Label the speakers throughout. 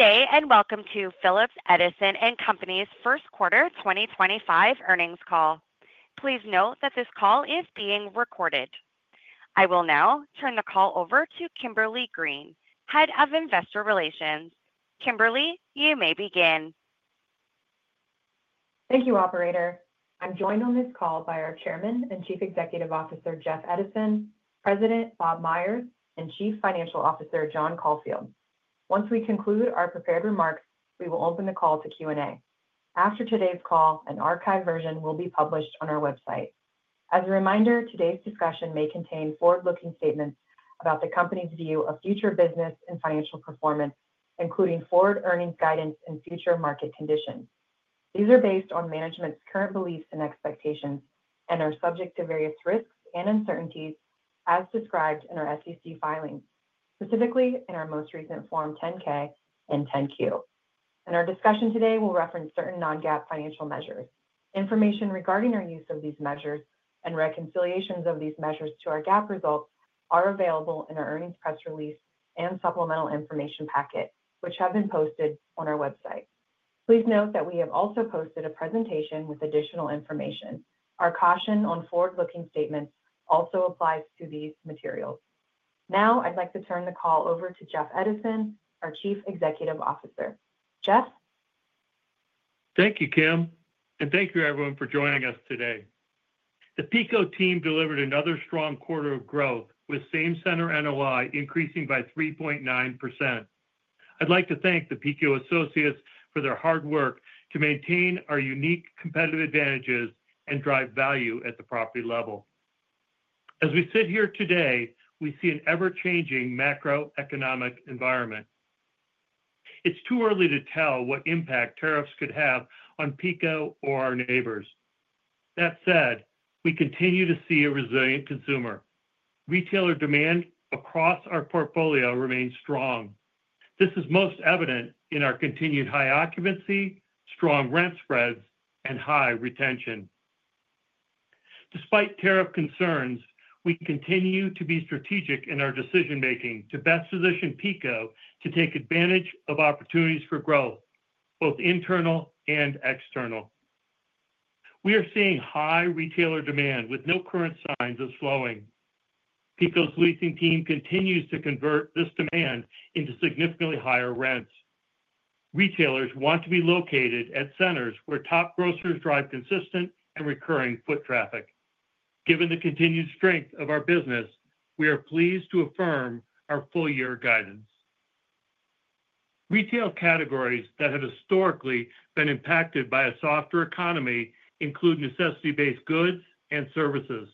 Speaker 1: Day and welcome to Phillips Edison & Company's first quarter 2025 earnings call. Please note that this call is being recorded. I will now turn the call over to Kimberly Green, Head of Investor Relations. Kimberly, you may begin.
Speaker 2: Thank you, Operator. I'm joined on this call by our Chairman and Chief Executive Officer, Jeff Edison, President Bob Myers, and Chief Financial Officer, John Caulfield. Once we conclude our prepared remarks, we will open the call to Q&A. After today's call, an archived version will be published on our website. As a reminder, today's discussion may contain forward-looking statements about the company's view of future business and financial performance, including forward earnings guidance and future market conditions. These are based on management's current beliefs and expectations and are subject to various risks and uncertainties, as described in our SEC filings, specifically in our most recent Form 10-K and 10-Q. In our discussion today, we'll reference certain non-GAAP financial measures. Information regarding our use of these measures and reconciliations of these measures to our GAAP results are available in our earnings press release and supplemental information packet, which have been posted on our website. Please note that we have also posted a presentation with additional information. Our caution on forward-looking statements also applies to these materials. Now, I'd like to turn the call over to Jeff Edison, our Chief Executive Officer. Jeff?
Speaker 3: Thank you, Kim, and thank you, everyone, for joining us today. The PECO team delivered another strong quarter of growth, with Same-center NOI increasing by 3.9%. I'd like to thank the PECO associates for their hard work to maintain our unique competitive advantages and drive value at the property level. As we sit here today, we see an ever-changing macroeconomic environment. It's too early to tell what impact tariffs could have on PECO or our neighbors. That said, we continue to see a resilient consumer. Retailer demand across our portfolio remains strong. This is most evident in our continued high occupancy, strong rent spreads, and high retention. Despite tariff concerns, we continue to be strategic in our decision-making to best position PECO to take advantage of opportunities for growth, both internal and external. We are seeing high retailer demand with no current signs of slowing. PECO's leasing team continues to convert this demand into significantly higher rents. Retailers want to be located at centers where top grocers drive consistent and recurring foot traffic. Given the continued strength of our business, we are pleased to affirm our full-year guidance. Retail categories that have historically been impacted by a softer economy include necessity-based goods and services.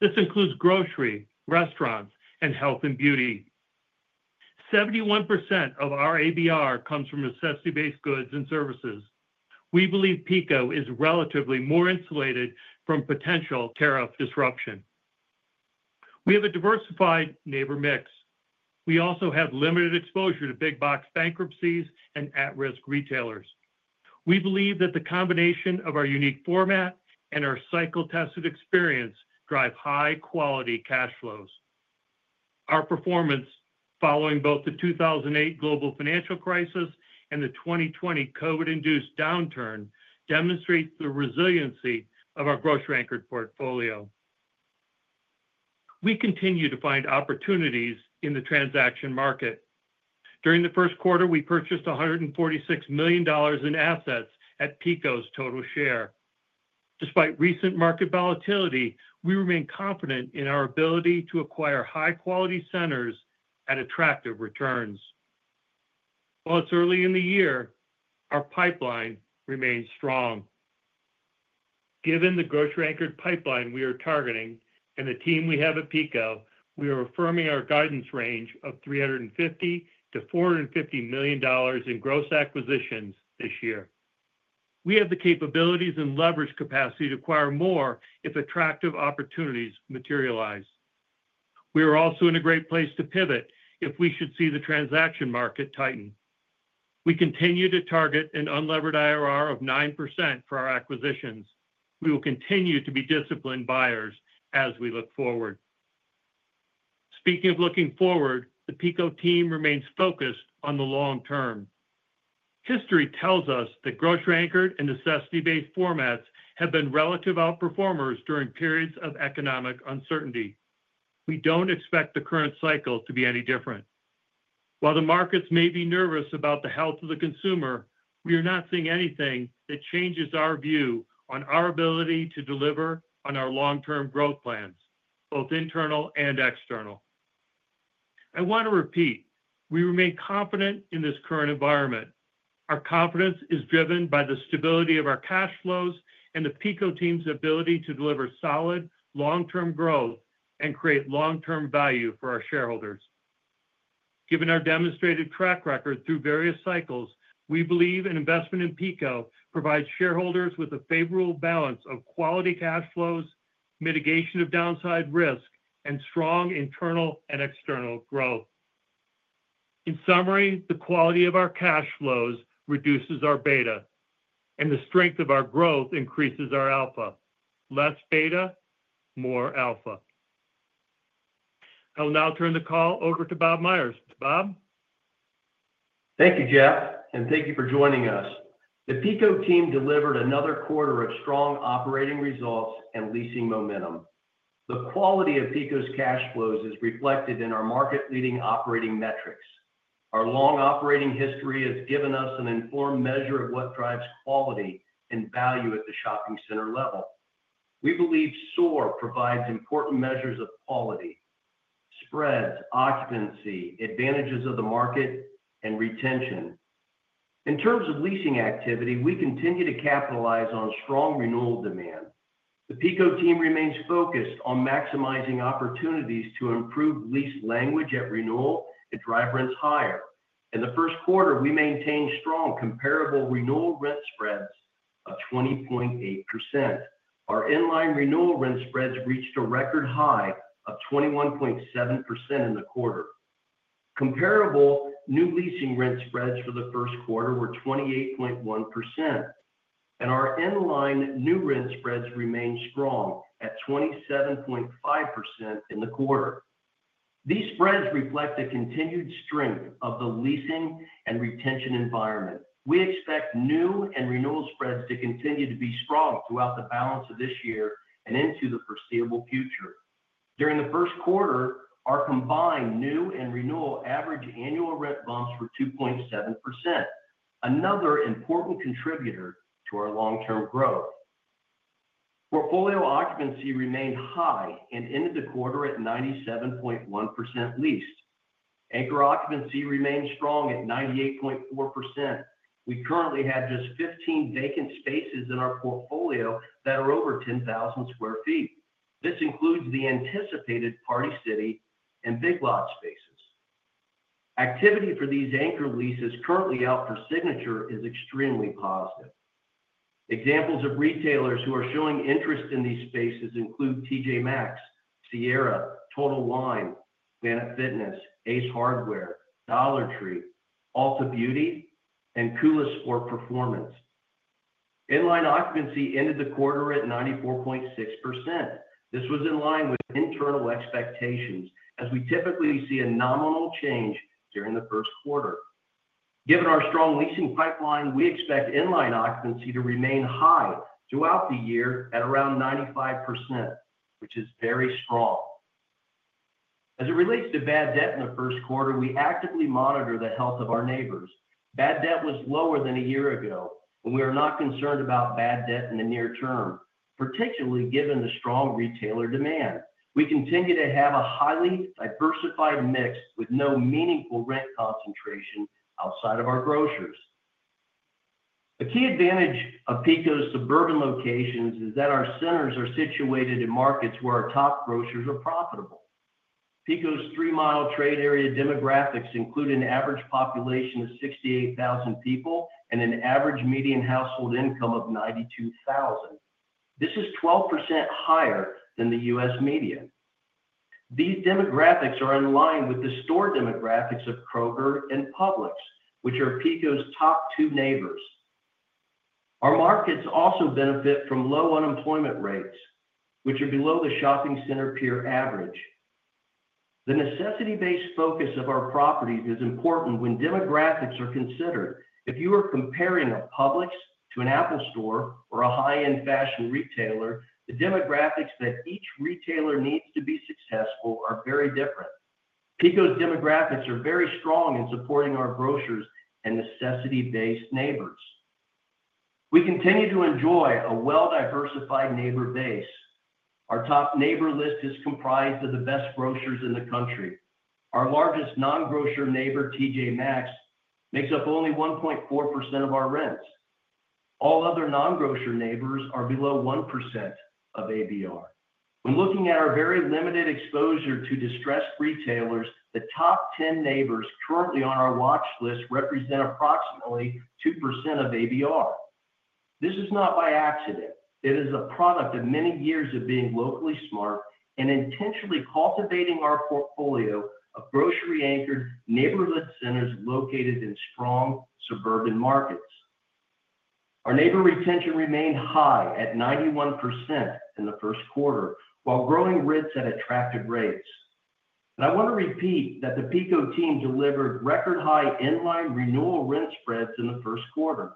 Speaker 3: This includes grocery, restaurants, and health and beauty. 71% of our ABR comes from necessity-based goods and services. We believe PECO is relatively more insulated from potential tariff disruption. We have a diversified neighbor mix. We also have limited exposure to big-box bankruptcies and at-risk retailers. We believe that the combination of our unique format and our cycle-tested experience drive high-quality cash flows. Our performance following both the 2008 global financial crisis and the 2020 COVID-induced downturn demonstrates the resiliency of our grocery-anchored portfolio. We continue to find opportunities in the transaction market. During the first quarter, we purchased $146 million in assets at PECO's total share. Despite recent market volatility, we remain confident in our ability to acquire high-quality centers at attractive returns. While it's early in the year, our pipeline remains strong. Given the grocery-anchored pipeline we are targeting and the team we have at PECO, we are affirming our guidance range of $350-$450 million in gross acquisitions this year. We have the capabilities and leverage capacity to acquire more if attractive opportunities materialize. We are also in a great place to pivot if we should see the transaction market tighten. We continue to target an unlevered IRR of 9% for our acquisitions. We will continue to be disciplined buyers as we look forward. Speaking of looking forward, the PECO team remains focused on the long term. History tells us that grocery-anchored and necessity-based formats have been relative outperformers during periods of economic uncertainty. We do not expect the current cycle to be any different. While the markets may be nervous about the health of the consumer, we are not seeing anything that changes our view on our ability to deliver on our long-term growth plans, both internal and external. I want to repeat, we remain confident in this current environment. Our confidence is driven by the stability of our cash flows and the PECO team's ability to deliver solid long-term growth and create long-term value for our shareholders. Given our demonstrated track record through various cycles, we believe an investment in PECO provides shareholders with a favorable balance of quality cash flows, mitigation of downside risk, and strong internal and external growth. In summary, the quality of our cash flows reduces our beta, and the strength of our growth increases our alpha. Less beta, more alpha. I will now turn the call over to Bob Myers. Bob?
Speaker 4: Thank you, Jeff, and thank you for joining us. The PECO team delivered another quarter of strong operating results and leasing momentum. The quality of PECO's cash flows is reflected in our market-leading operating metrics. Our long operating history has given us an informed measure of what drives quality and value at the shopping center level. We believe SOAR provides important measures of quality: spreads, occupancy, advantages of the market, and retention. In terms of leasing activity, we continue to capitalize on strong renewal demand. The PECO team remains focused on maximizing opportunities to improve lease language at renewal and drive rents higher. In the first quarter, we maintained strong comparable renewal rent spreads of 20.8%. Our inline renewal rent spreads reached a record high of 21.7% in the quarter. Comparable new leasing rent spreads for the first quarter were 28.1%, and our inline new rent spreads remained strong at 27.5% in the quarter. These spreads reflect the continued strength of the leasing and retention environment. We expect new and renewal spreads to continue to be strong throughout the balance of this year and into the foreseeable future. During the first quarter, our combined new and renewal average annual rent bumps were 2.7%, another important contributor to our long-term growth. Portfolio occupancy remained high and ended the quarter at 97.1% leased. Anchor occupancy remained strong at 98.4%. We currently have just 15 vacant spaces in our portfolio that are over 10,000 sq ft. This includes the anticipated Party City and Big Lots spaces. Activity for these anchor leases currently out for signature is extremely positive. Examples of retailers who are showing interest in these spaces include TJ Maxx, Sierra, Total Wine, Planet Fitness, Ace Hardware, Dollar Tree, Ulta Beauty, and Kula Sport Performance. Inline occupancy ended the quarter at 94.6%. This was in line with internal expectations, as we typically see a nominal change during the first quarter. Given our strong leasing pipeline, we expect inline occupancy to remain high throughout the year at around 95%, which is very strong. As it relates to bad debt in the first quarter, we actively monitor the health of our neighbors. Bad debt was lower than a year ago, and we are not concerned about bad debt in the near term, particularly given the strong retailer demand. We continue to have a highly diversified mix with no meaningful rent concentration outside of our grocers. A key advantage of PECO's suburban locations is that our centers are situated in markets where our top grocers are profitable. PECO's three-mile trade area demographics include an average population of 68,000 people and an average median household income of $92,000. This is 12% higher than the U.S. median. These demographics are in line with the store demographics of Kroger and Publix, which are PECO's top two neighbors. Our markets also benefit from low unemployment rates, which are below the shopping center peer average. The necessity-based focus of our properties is important when demographics are considered. If you are comparing a Publix to an Apple Store or a high-end fashion retailer, the demographics that each retailer needs to be successful are very different. PECO's demographics are very strong in supporting our grocers and necessity-based neighbors. We continue to enjoy a well-diversified neighbor base. Our top neighbor list is comprised of the best grocers in the country. Our largest non-grocer neighbor, TJ Maxx, makes up only 1.4% of our rents. All other non-grocer neighbors are below 1% of ABR. When looking at our very limited exposure to distressed retailers, the top 10 neighbors currently on our watch list represent approximately 2% of ABR. This is not by accident. It is a product of many years of being locally smart and intentionally cultivating our portfolio of grocery-anchored neighborhood centers located in strong suburban markets. Our neighbor retention remained high at 91% in the first quarter, while growing rents at attractive rates. I want to repeat that the PECO team delivered record-high inline renewal rent spreads in the first quarter.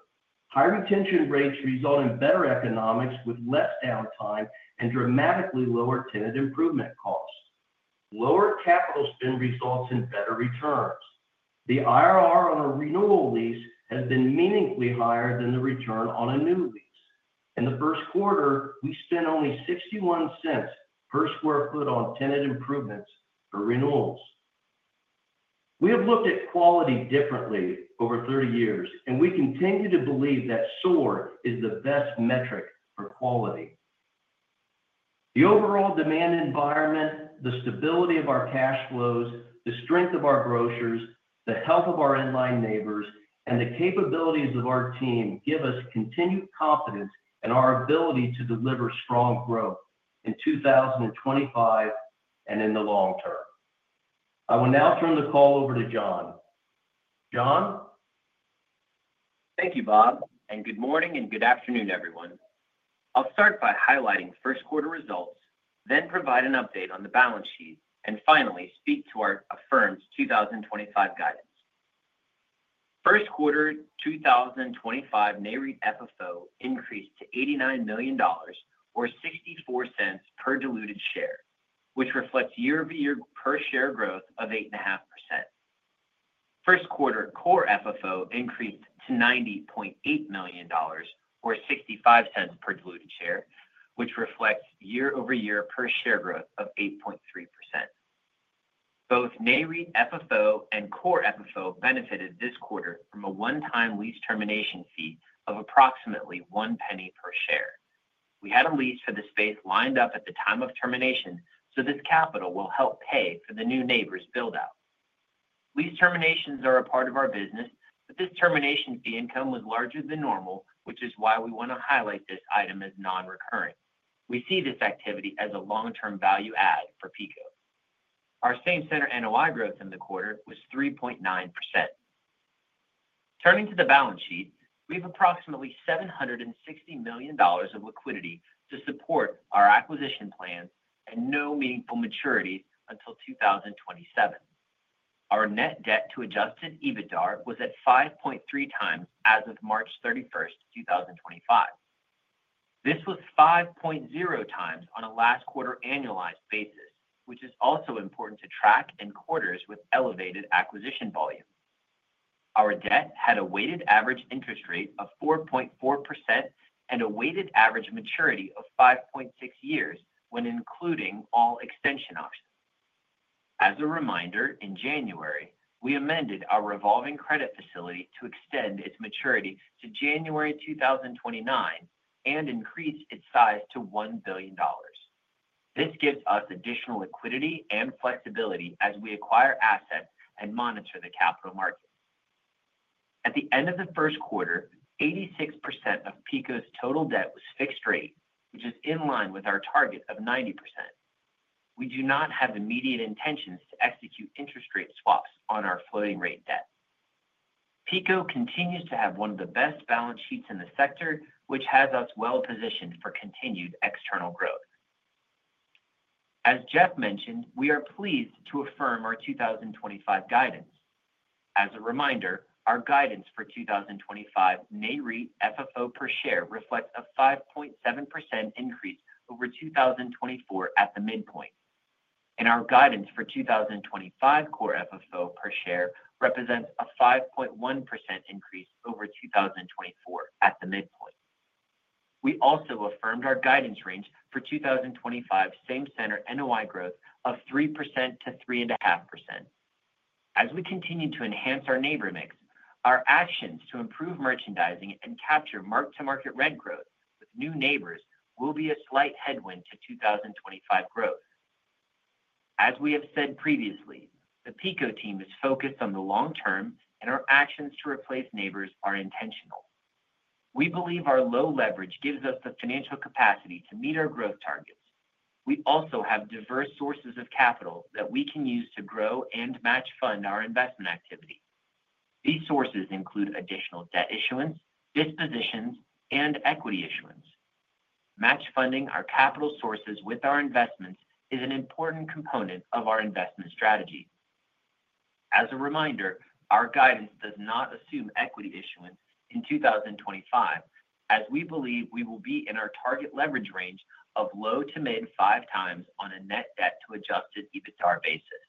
Speaker 4: High retention rates result in better economics with less downtime and dramatically lower tenant improvement costs. Lower capital spend results in better returns. The IRR on a renewal lease has been meaningfully higher than the return on a new lease. In the first quarter, we spent only $0.61 per sq ft on tenant improvements for renewals. We have looked at quality differently over 30 years, and we continue to believe that SOAR is the best metric for quality. The overall demand environment, the stability of our cash flows, the strength of our grocers, the health of our inline neighbors, and the capabilities of our team give us continued confidence in our ability to deliver strong growth in 2025 and in the long term. I will now turn the call over to John. John?
Speaker 5: Thank you, Bob, and good morning and good afternoon, everyone. I'll start by highlighting first quarter results, then provide an update on the balance sheet, and finally speak to our affirmed 2025 guidance. First quarter 2025 REIT FFO increased to $89 million, or $0.64 per diluted share, which reflects year-over-year per share growth of 8.5%. First quarter core FFO increased to $90.8 million, or $0.65 per diluted share, which reflects year-over-year per share growth of 8.3%. Both REIT FFO and core FFO benefited this quarter from a one-time lease termination fee of approximately $0.01 per share. We had a lease for the space lined up at the time of termination, so this capital will help pay for the new neighbor's build-out. Lease terminations are a part of our business, but this termination fee income was larger than normal, which is why we want to highlight this item as non-recurring. We see this activity as a long-term value add for PECO. Our same center NOI growth in the quarter was 3.9%. Turning to the balance sheet, we have approximately $760 million of liquidity to support our acquisition plans and no meaningful maturities until 2027. Our net debt to adjusted EBITDA are was at 5.3 times as of March 31st, 2025. This was 5.0 times on a last quarter annualized basis, which is also important to track in quarters with elevated acquisition volume. Our debt had a weighted average interest rate of 4.4% and a weighted average maturity of 5.6 years when including all extension options. As a reminder, in January, we amended our revolving credit facility to extend its maturity to January 2029 and increased its size to $1 billion. This gives us additional liquidity and flexibility as we acquire assets and monitor the capital markets. At the end of the first quarter, 86% of PECO total debt was fixed rate, which is in line with our target of 90%. We do not have immediate intentions to execute interest rate swaps on our floating rate debt. PECO continues to have one of the best balance sheets in the sector, which has us well positioned for continued external growth. As Jeff mentioned, we are pleased to affirm our 2025 guidance. As a reminder, our guidance for 2025 REIT FFO per share reflects a 5.7% increase over 2024 at the midpoint, and our guidance for 2025 Core FFO per share represents a 5.1% increase over 2024 at the midpoint. We also affirmed our guidance range for 2025 same-center NOI growth of 3%-3.5%. As we continue to enhance our neighbor mix, our actions to improve merchandising and capture mark-to-market rent growth with new neighbors will be a slight headwind to 2025 growth. As we have said previously, the PECO team is focused on the long term, and our actions to replace neighbors are intentional. We believe our low leverage gives us the financial capacity to meet our growth targets. We also have diverse sources of capital that we can use to grow and match fund our investment activity. These sources include additional debt issuance, dispositions, and equity issuance. Match funding our capital sources with our investments is an important component of our investment strategy. As a reminder, our guidance does not assume equity issuance in 2025, as we believe we will be in our target leverage range of low to mid five times on a net debt to adjusted EBITDA basis.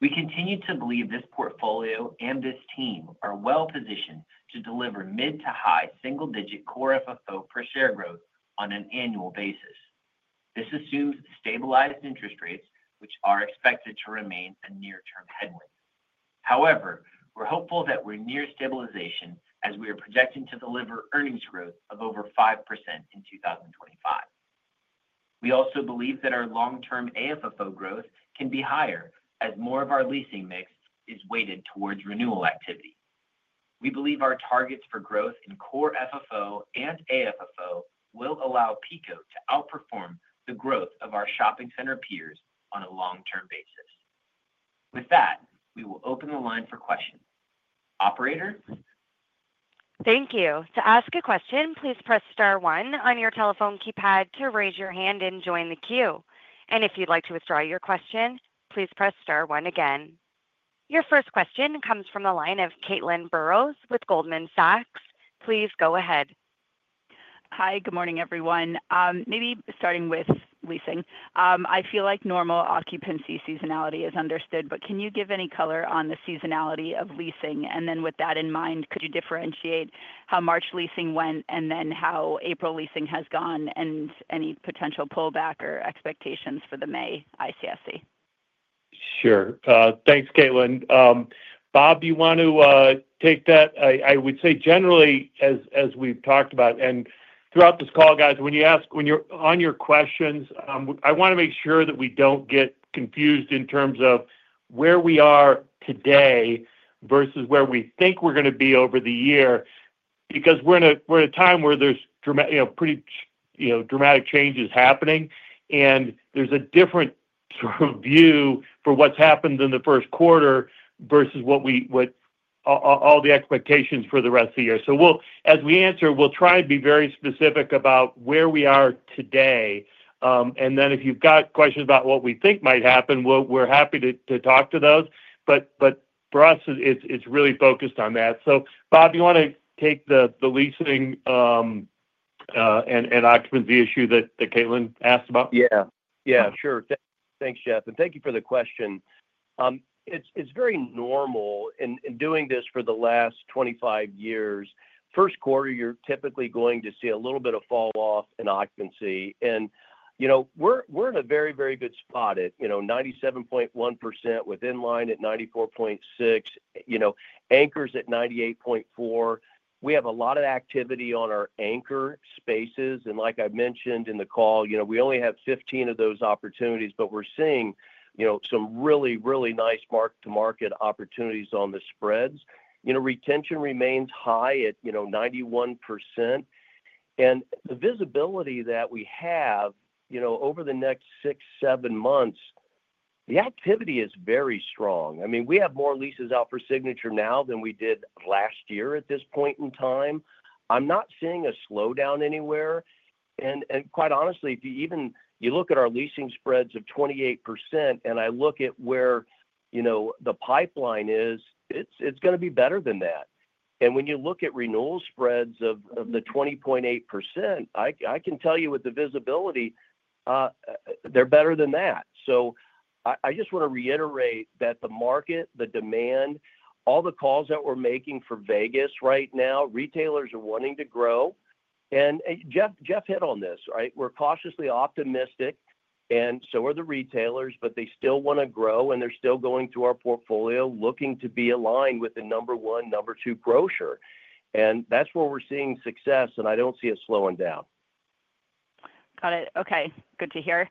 Speaker 5: We continue to believe this portfolio and this team are well positioned to deliver mid to high single-digit core FFO per share growth on an annual basis. This assumes stabilized interest rates, which are expected to remain a near-term headwind. However, we're hopeful that we're near stabilization as we are projecting to deliver earnings growth of over 5% in 2025. We also believe that our long-term AFFO growth can be higher as more of our leasing mix is weighted towards renewal activity. We believe our targets for growth in Core FFO and AFFO will allow PECO to outperform the growth of our shopping center peers on a long-term basis. With that, we will open the line for questions. Operator?
Speaker 1: Thank you. To ask a question, please press star one on your telephone keypad to raise your hand and join the queue. If you'd like to withdraw your question, please press star one again. Your first question comes from the line of Caitlin Burrows with Goldman Sachs. Please go ahead.
Speaker 6: Hi, good morning, everyone. Maybe starting with leasing. I feel like normal occupancy seasonality is understood, but can you give any color on the seasonality of leasing? With that in mind, could you differentiate how March leasing went and then how April leasing has gone and any potential pullback or expectations for the May ICSC?
Speaker 3: Sure. Thanks, Caitlin. Bob, do you want to take that? I would say generally, as we've talked about and throughout this call, guys, when you're on your questions, I want to make sure that we don't get confused in terms of where we are today versus where we think we're going to be over the year because we're at a time where there's pretty dramatic changes happening, and there's a different sort of view for what's happened in the first quarter versus all the expectations for the rest of the year. As we answer, we'll try and be very specific about where we are today. If you've got questions about what we think might happen, we're happy to talk to those. For us, it's really focused on that. Bob, do you want to take the leasing and occupancy issue that Caitlin asked about? Yeah.
Speaker 4: Yeah, sure. Thanks, Jeff. Thank you for the question. It's very normal. In doing this for the last 25 years, first quarter, you're typically going to see a little bit of falloff in occupancy. We're in a very, very good spot at 97.1% with inline at 94.6%, anchors at 98.4%. We have a lot of activity on our anchor spaces. Like I mentioned in the call, we only have 15 of those opportunities, but we're seeing some really, really nice mark-to-market opportunities on the spreads. Retention remains high at 91%. The visibility that we have over the next six, seven months, the activity is very strong. I mean, we have more leases out for signature now than we did last year at this point in time. I'm not seeing a slowdown anywhere. Quite honestly, if you look at our leasing spreads of 28% and I look at where the pipeline is, it's going to be better than that. When you look at renewal spreads of the 20.8%, I can tell you with the visibility, they're better than that. I just want to reiterate that the market, the demand, all the calls that we're making for Vegas right now, retailers are wanting to grow. Jeff hit on this, right? We're cautiously optimistic, and so are the retailers, but they still want to grow, and they're still going through our portfolio looking to be aligned with the number one, number two grocer. That's where we're seeing success, and I don't see it slowing down.
Speaker 6: Got it. Okay. Good to hear.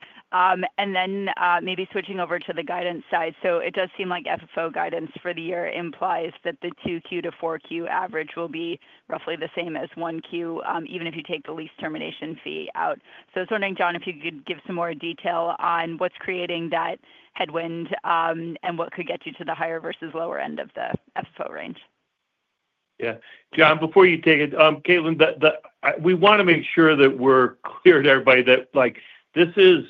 Speaker 6: Maybe switching over to the guidance side. It does seem like FFO guidance for the year implies that the 2Q to 4Q average will be roughly the same as 1Q, even if you take the lease termination fee out. I was wondering, John, if you could give some more detail on what's creating that headwind and what could get you to the higher versus lower end of the FFO range?
Speaker 3: Yeah. John, before you take it, Caitlin, we want to make sure that we're clear to everybody that this is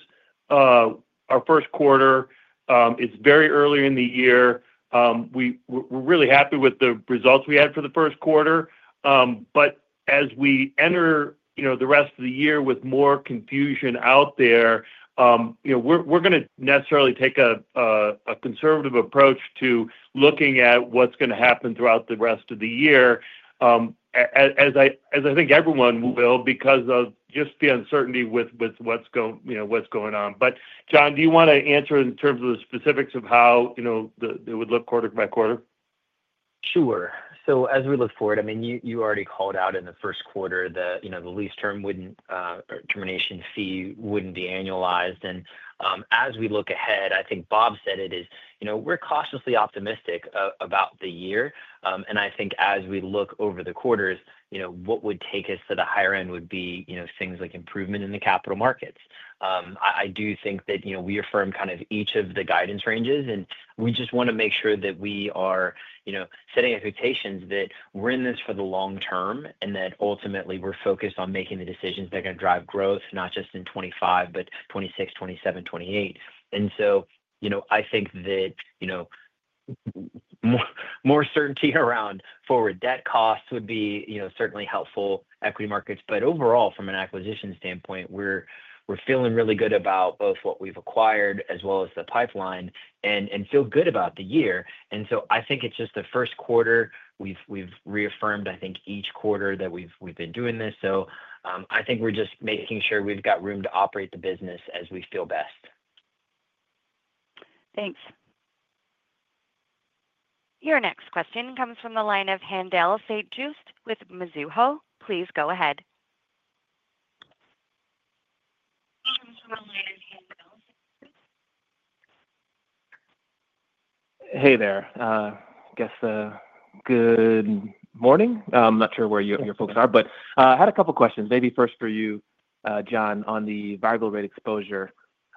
Speaker 3: our first quarter. It's very early in the year. We're really happy with the results we had for the first quarter. As we enter the rest of the year with more confusion out there, we're going to necessarily take a conservative approach to looking at what's going to happen throughout the rest of the year, as I think everyone will because of just the uncertainty with what's going on. John, do you want to answer in terms of the specifics of how it would look quarter by quarter?
Speaker 5: Sure. As we look forward, I mean, you already called out in the first quarter that the lease termination fee would not be annualized. As we look ahead, I think Bob said we are cautiously optimistic about the year. I think as we look over the quarters, what would take us to the higher end would be things like improvement in the capital markets. I do think that we affirm each of the guidance ranges, and we just want to make sure that we are setting expectations that we are in this for the long term and that ultimately we are focused on making the decisions that are going to drive growth, not just in 2025, but 2026, 2027, 2028. I think that more certainty around forward debt costs would be certainly helpful equity markets. Overall, from an acquisition standpoint, we're feeling really good about both what we've acquired as well as the pipeline and feel good about the year. I think it's just the first quarter. We've reaffirmed, I think, each quarter that we've been doing this. I think we're just making sure we've got room to operate the business as we feel best.
Speaker 1: Thanks. Your next question comes from the line of Haendel St. Juste with Mizuho. Please go ahead.
Speaker 7: Hey there. I guess good morning. I'm not sure where your folks are, but I had a couple of questions. Maybe first for you, John, on the variable rate exposure.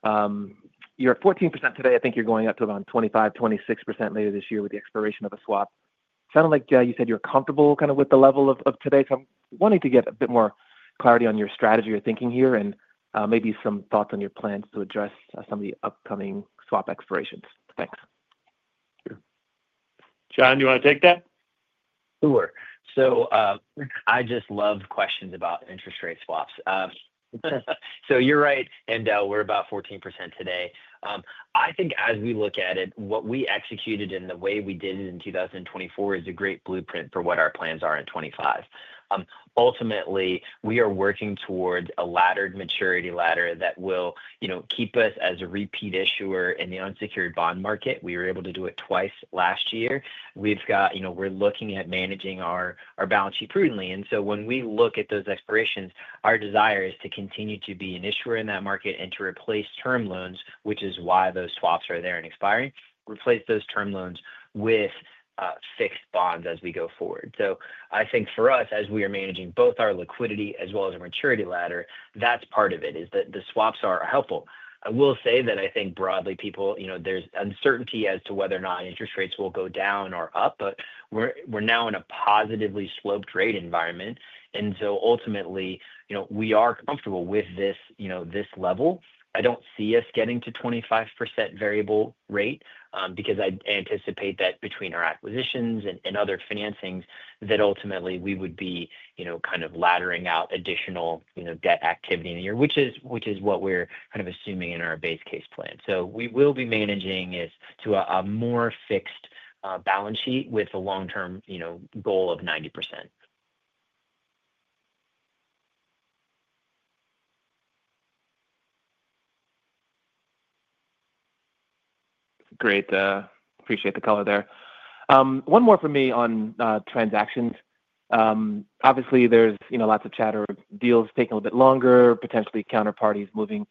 Speaker 7: You're at 14% today. I think you're going up to around 25%-26% later this year with the expiration of a swap. Sounded like you said you're comfortable kind of with the level of today. I am wanting to get a bit more clarity on your strategy or thinking here and maybe some thoughts on your plans to address some of the upcoming swap expirations. Thanks.
Speaker 3: John, do you want to take that?
Speaker 5: Sure. I just love questions about interest rate swaps. You're right, Haendel, we're about 14% today. I think as we look at it, what we executed and the way we did it in 2024 is a great blueprint for what our plans are in 2025. Ultimately, we are working towards a laddered maturity ladder that will keep us as a repeat issuer in the unsecured bond market. We were able to do it twice last year. We're looking at managing our balance sheet prudently. When we look at those expirations, our desire is to continue to be an issuer in that market and to replace term loans, which is why those swaps are there and expiring, replace those term loans with fixed bonds as we go forward. I think for us, as we are managing both our liquidity as well as our maturity ladder, that's part of it is that the swaps are helpful. I will say that I think broadly, people, there's uncertainty as to whether or not interest rates will go down or up, but we're now in a positively sloped rate environment. Ultimately, we are comfortable with this level. I don't see us getting to 25% variable rate because I anticipate that between our acquisitions and other financings that ultimately we would be kind of laddering out additional debt activity in the year, which is what we're kind of assuming in our base case plan. We will be managing it to a more fixed balance sheet with a long-term goal of 90%.
Speaker 7: Great. Appreciate the color there. One more from me on transactions. Obviously, there's lots of chatter of deals taking a little bit longer, potentially counterparties moving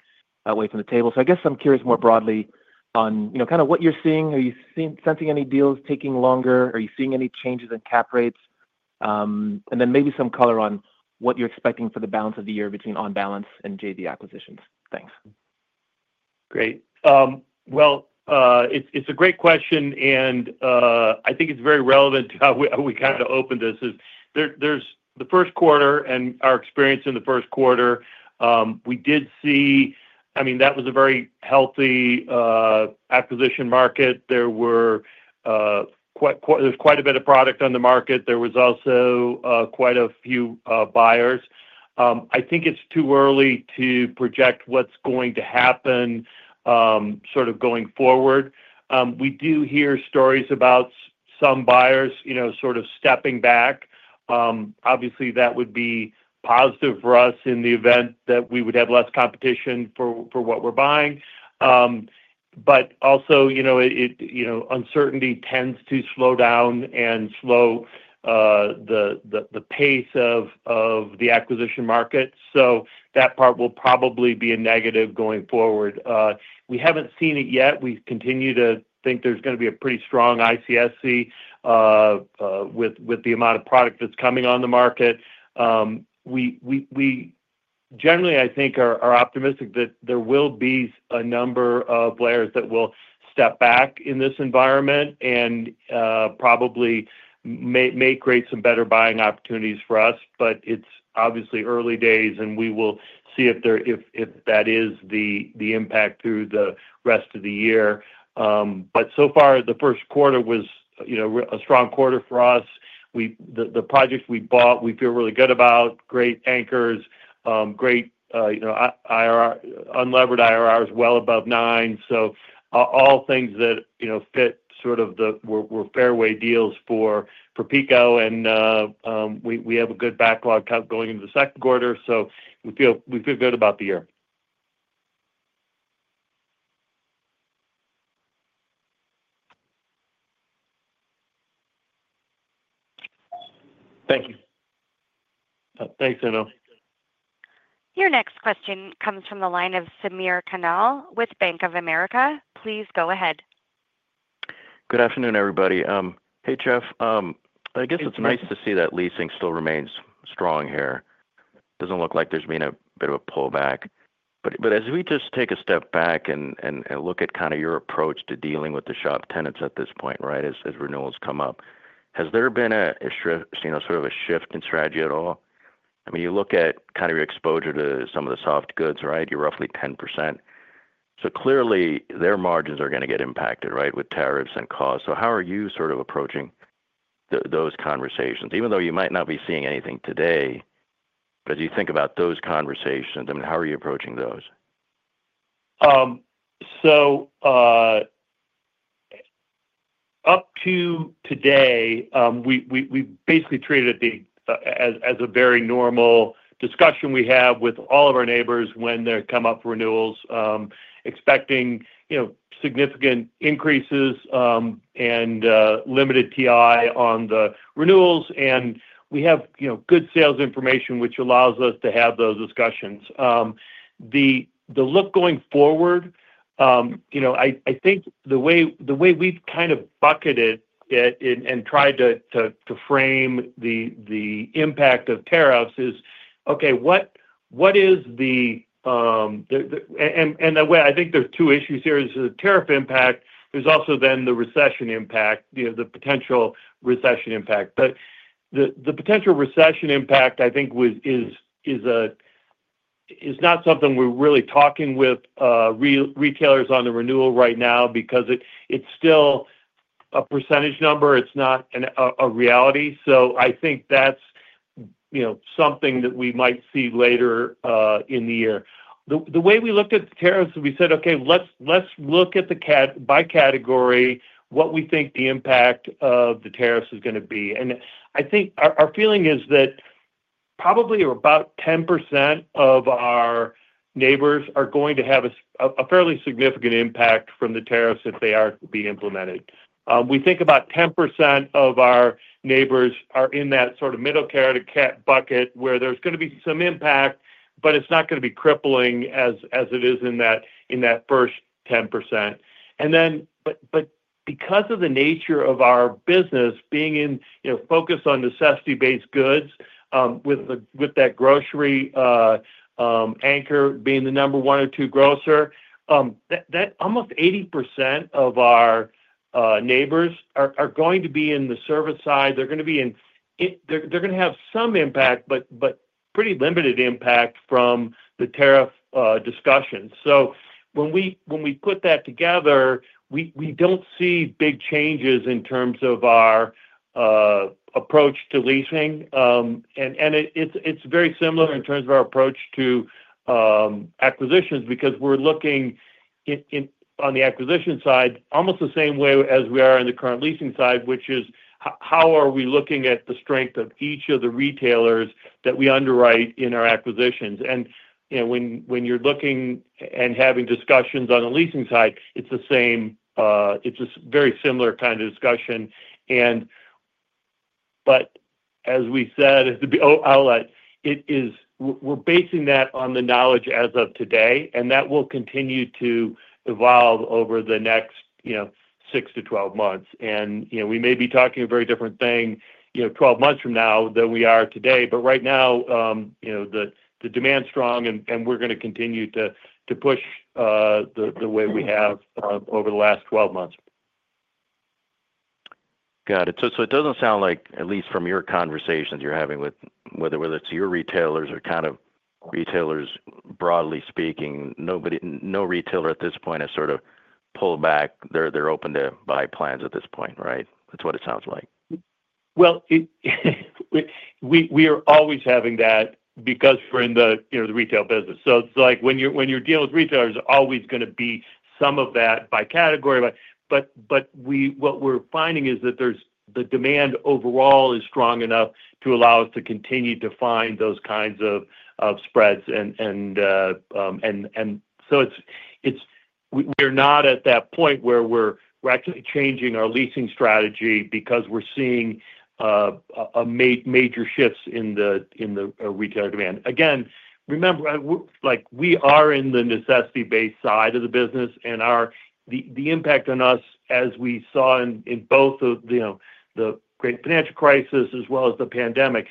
Speaker 7: away from the table. I guess I'm curious more broadly on kind of what you're seeing. Are you sensing any deals taking longer? Are you seeing any changes in cap rates? Maybe some color on what you're expecting for the balance of the year between on-balance and JV acquisitions? Thanks.
Speaker 3: Great. It's a great question, and I think it's very relevant to how we kind of opened this. The first quarter and our experience in the first quarter, we did see, I mean, that was a very healthy acquisition market. There's quite a bit of product on the market. There was also quite a few buyers. I think it's too early to project what's going to happen sort of going forward. We do hear stories about some buyers sort of stepping back. Obviously, that would be positive for us in the event that we would have less competition for what we're buying. Also, uncertainty tends to slow down and slow the pace of the acquisition market. That part will probably be a negative going forward. We haven't seen it yet. We continue to think there's going to be a pretty strong ICSC with the amount of product that's coming on the market. Generally, I think we are optimistic that there will be a number of players that will step back in this environment and probably may create some better buying opportunities for us. It is obviously early days, and we will see if that is the impact through the rest of the year. The first quarter was a strong quarter for us. The project we bought, we feel really good about. Great anchors, great unlevered IRRs well above 9%. All things that fit sort of were fairway deals for PECO, and we have a good backlog going into the second quarter. We feel good about the year.
Speaker 7: Thank you.
Speaker 3: Thanks, Haendel.
Speaker 1: Your next question comes from the line of Samir Khanal with Bank of America. Please go ahead.
Speaker 8: Good afternoon, everybody. Hey, Jeff. I guess it's nice to see that leasing still remains strong here. Doesn't look like there's been a bit of a pullback. As we just take a step back and look at kind of your approach to dealing with the shop tenants at this point, right, as renewals come up, has there been sort of a shift in strategy at all? I mean, you look at kind of your exposure to some of the soft goods, right? You're roughly 10%. Clearly, their margins are going to get impacted, right, with tariffs and costs. How are you sort of approaching those conversations? Even though you might not be seeing anything today, as you think about those conversations, I mean, how are you approaching those?
Speaker 3: Up to today, we basically treated it as a very normal discussion we have with all of our neighbors when they come up for renewals, expecting significant increases and limited TI on the renewals. We have good sales information, which allows us to have those discussions. The look going forward, I think the way we've kind of bucketed it and tried to frame the impact of tariffs is, okay, what is the—and I think there are two issues here. There is the tariff impact. There is also then the recession impact, the potential recession impact. The potential recession impact, I think, is not something we're really talking with retailers on the renewal right now because it is still a percentage number. It is not a reality. I think that is something that we might see later in the year. The way we looked at the tariffs, we said, okay, let's look at the by category what we think the impact of the tariffs is going to be. I think our feeling is that probably about 10% of our neighbors are going to have a fairly significant impact from the tariffs if they are to be implemented. We think about 10% of our neighbors are in that sort of middle carrot and cat bucket where there's going to be some impact, but it's not going to be crippling as it is in that first 10%. Because of the nature of our business being focused on necessity-based goods, with that grocery anchor being the number one or two grocer, almost 80% of our neighbors are going to be in the service side. They're going to be in—they're going to have some impact, but pretty limited impact from the tariff discussions. When we put that together, we don't see big changes in terms of our approach to leasing. It's very similar in terms of our approach to acquisitions because we're looking on the acquisition side almost the same way as we are on the current leasing side, which is how are we looking at the strength of each of the retailers that we underwrite in our acquisitions. When you're looking and having discussions on the leasing side, it's the same—it's a very similar kind of discussion. As we said, I'll add, we're basing that on the knowledge as of today, and that will continue to evolve over the next six to 12 months. We may be talking a very different thing 12 months from now than we are today. Right now, the demand's strong, and we're going to continue to push the way we have over the last 12 months.
Speaker 8: Got it. It does not sound like, at least from your conversations you are having with whether it is your retailers or kind of retailers broadly speaking, no retailer at this point has sort of pulled back. They are open to buy plans at this point, right? That is what it sounds like.
Speaker 3: We are always having that because we're in the retail business. It's like when you're dealing with retailers, there's always going to be some of that by category. What we're finding is that the demand overall is strong enough to allow us to continue to find those kinds of spreads. We are not at that point where we're actually changing our leasing strategy because we're seeing major shifts in the retail demand. Again, remember, we are in the necessity-based side of the business, and the impact on us, as we saw in both the great financial crisis as well as the pandemic,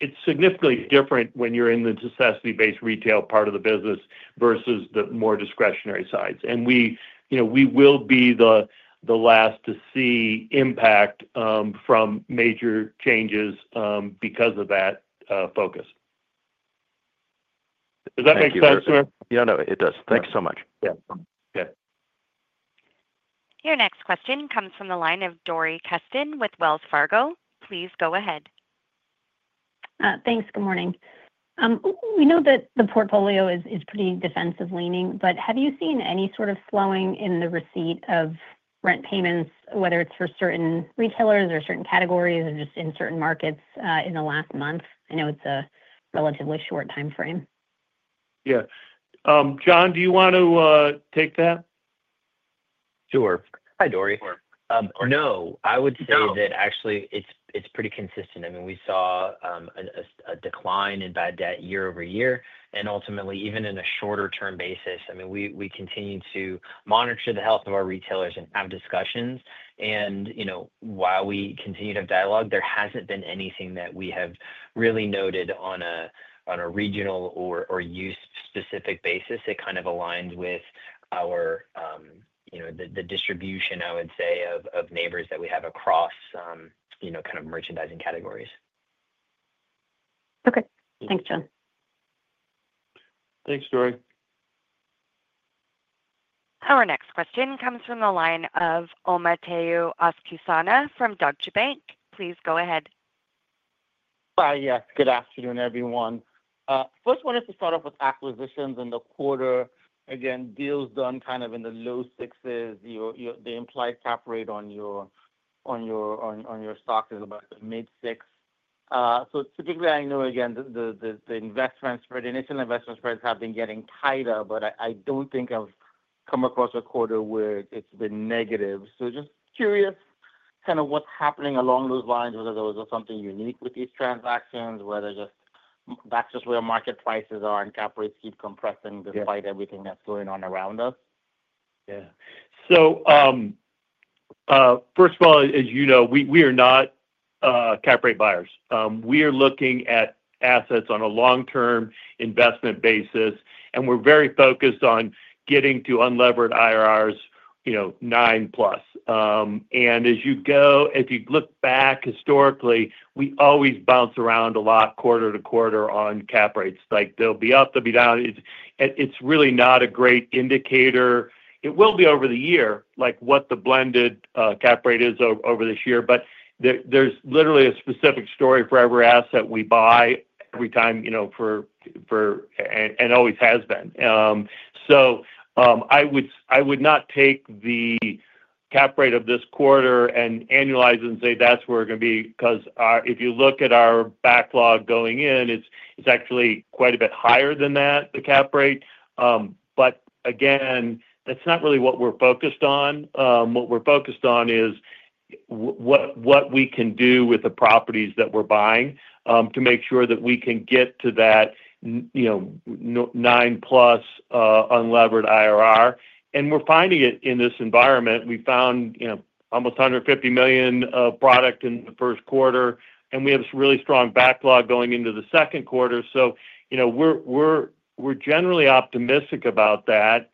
Speaker 3: is significantly different when you're in the necessity-based retail part of the business versus the more discretionary sides. We will be the last to see impact from major changes because of that focus. Does that make sense, sir?
Speaker 8: Yeah, no, it does. Thanks so much.
Speaker 1: Your next question comes from the line of Dori Kesten with Wells Fargo. Please go ahead.
Speaker 9: Thanks. Good morning. We know that the portfolio is pretty defensive-leaning, but have you seen any sort of slowing in the receipt of rent payments, whether it's for certain retailers or certain categories or just in certain markets in the last month? I know it's a relatively short time frame.
Speaker 3: Yeah. John, do you want to take that?
Speaker 5: Sure. Hi, Dori. No, I would say that actually it's pretty consistent. I mean, we saw a decline in bad debt year-over-year. Ultimately, even in a shorter-term basis, I mean, we continue to monitor the health of our retailers and have discussions. While we continue to have dialogue, there hasn't been anything that we have really noted on a regional or use-specific basis. It kind of aligns with the distribution, I would say, of neighbors that we have across kind of merchandising categories.
Speaker 9: Okay. Thanks, John.
Speaker 5: Thanks, Dori.
Speaker 1: Our next question comes from the line of Omotayo Okusanya from Deutsche Bank. Please go ahead.
Speaker 10: Hi, yes. Good afternoon, everyone. First, I wanted to start off with acquisitions in the quarter. Again, deals done kind of in the low sixes. The implied cap rate on your stock is about mid-six. Typically, I know, again, the initial investment spreads have been getting tighter, but I do not think I have come across a quarter where it has been negative. Just curious kind of what is happening along those lines. Whether there was something unique with these transactions, whether that is just where market prices are and cap rates keep compressing despite everything that is going on around us?
Speaker 3: Yeah. First of all, as you know, we are not cap rate buyers. We are looking at assets on a long-term investment basis, and we're very focused on getting to unlevered IRRs nine plus. As you look back historically, we always bounce around a lot quarter to quarter on cap rates. They'll be up, they'll be down. It's really not a great indicator. It will be over the year what the blended cap rate is over this year, but there's literally a specific story for every asset we buy every time and always has been. I would not take the cap rate of this quarter and annualize it and say that's where we're going to be because if you look at our backlog going in, it's actually quite a bit higher than that, the cap rate. Again, that's not really what we're focused on. What we're focused on is what we can do with the properties that we're buying to make sure that we can get to that 9% plus unlevered IRR. We're finding it in this environment. We found almost $150 million of product in the first quarter, and we have a really strong backlog going into the second quarter. We are generally optimistic about that.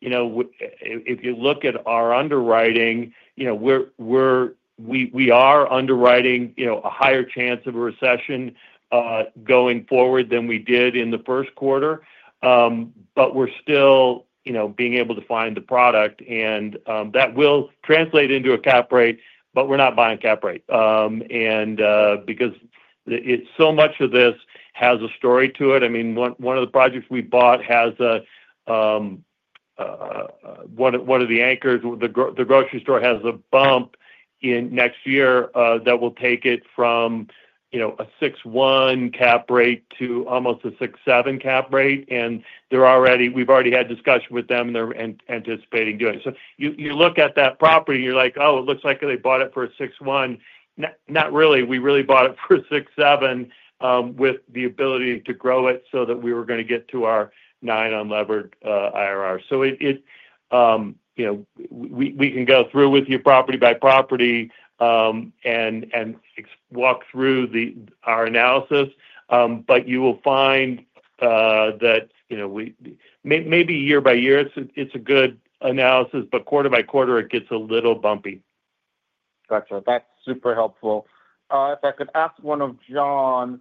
Speaker 3: If you look at our underwriting, we are underwriting a higher chance of a recession going forward than we did in the first quarter, but we're still being able to find the product. That will translate into a cap rate, but we're not buying a cap rate because so much of this has a story to it. I mean, one of the projects we bought has one of the anchors, the grocery store has a bump in next year that will take it from a 6.1% cap rate to almost a 6.7% cap rate. We've already had discussion with them, and they're anticipating doing it. You look at that property, and you're like, "Oh, it looks like they bought it for a 6.1%." Not really. We really bought it for 6.7% with the ability to grow it so that we were going to get to our 9% unlevered IRR. We can go through with you property by property and walk through our analysis, but you will find that maybe year by year, it's a good analysis, but quarter by quarter, it gets a little bumpy.
Speaker 10: Gotcha. That's super helpful. If I could ask one of John,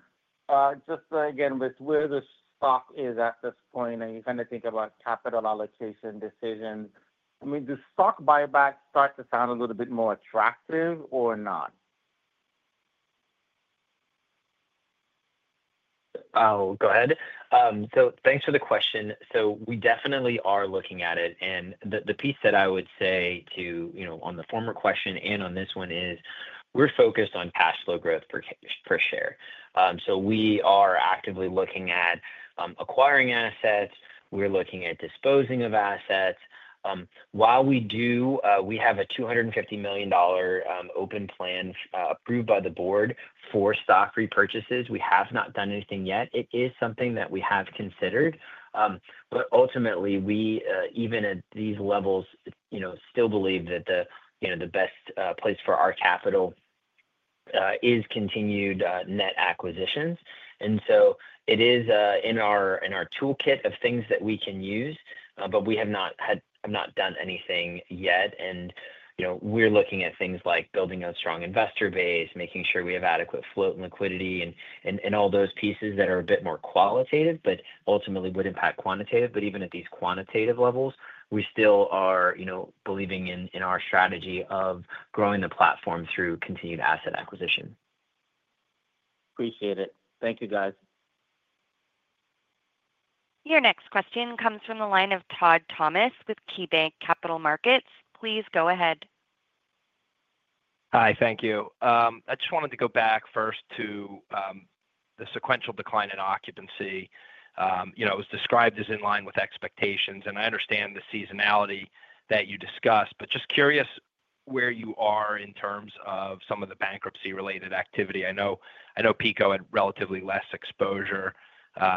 Speaker 10: just again, with where the stock is at this point and you're kind of thinking about capital allocation decisions, I mean, does stock buyback start to sound a little bit more attractive or not?
Speaker 5: Oh, go ahead. Thanks for the question. We definitely are looking at it. The piece that I would say to on the former question and on this one is we're focused on cash flow growth per share. We are actively looking at acquiring assets. We're looking at disposing of assets. We have a $250 million open plan approved by the board for stock repurchases. We have not done anything yet. It is something that we have considered. Ultimately, even at these levels, we still believe that the best place for our capital is continued net acquisitions. It is in our toolkit of things that we can use, but we have not done anything yet. We are looking at things like building a strong investor base, making sure we have adequate float and liquidity, and all those pieces that are a bit more qualitative, but ultimately would impact quantitative. Even at these quantitative levels, we still are believing in our strategy of growing the platform through continued asset acquisition.
Speaker 10: Appreciate it. Thank you, guys.
Speaker 1: Your next question comes from the line of Todd Thomas with KeyBanc Capital Markets. Please go ahead.
Speaker 11: Hi, thank you. I just wanted to go back first to the sequential decline in occupancy. It was described as in line with expectations. I understand the seasonality that you discussed, but just curious where you are in terms of some of the bankruptcy-related activity. I know PECO had relatively less exposure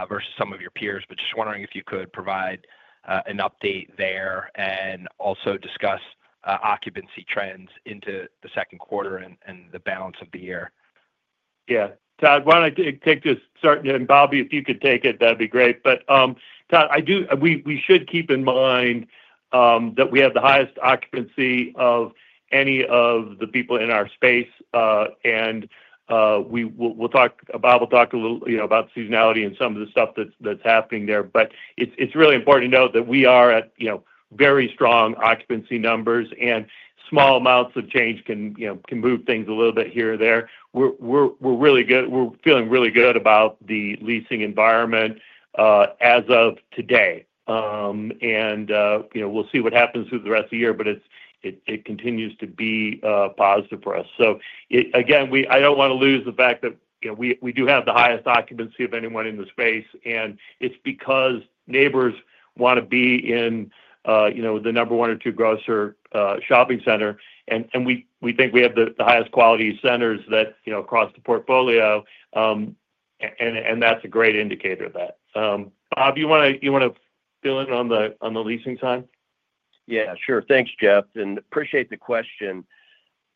Speaker 11: versus some of your peers, but just wondering if you could provide an update there and also discuss occupancy trends into the second quarter and the balance of the year?
Speaker 3: Yeah. Todd, why do not I take this? And Bobby, if you could take it, that would be great. Todd, we should keep in mind that we have the highest occupancy of any of the people in our space. Bob will talk a little about seasonality and some of the stuff that is happening there. It is really important to note that we are at very strong occupancy numbers, and small amounts of change can move things a little bit here or there. We are feeling really good about the leasing environment as of today. We will see what happens through the rest of the year, but it continues to be positive for us. I do not want to lose the fact that we do have the highest occupancy of anyone in the space. It is because neighbors want to be in the number one or two grocer shopping center. We think we have the highest quality centers across the portfolio. That is a great indicator of that. Bob, you want to fill in on the leasing side?
Speaker 4: Yeah, sure. Thanks, Jeff. I appreciate the question.